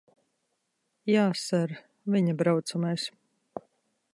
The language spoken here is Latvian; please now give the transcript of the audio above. Jā, ser. Viņa braucamais.